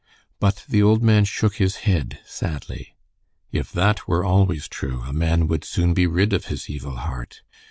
But the old man shook his head sadly. "If that were always true a man would soon be rid of his evil heart.